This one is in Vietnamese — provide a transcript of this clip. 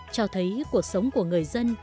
cho thấy cuộc sống của người dân